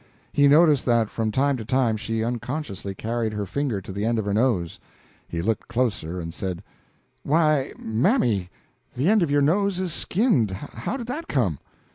He noticed that from time to time she unconsciously carried her finger to the end of her nose. He looked closer and said: "Why, mammy, the end of your nose is skinned. How did that come?"